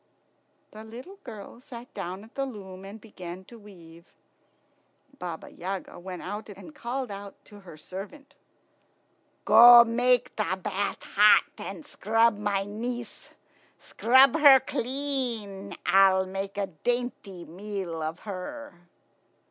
The little girl sat down at the loom and began to weave. Baba Yaga went out and called to her servant, "Go, make the bath hot and scrub my niece. Scrub her clean. I'll make a dainty meal of her."